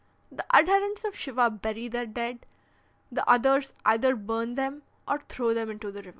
"The adherents of Shiva bury their dead; the others either burn them or throw them into the river."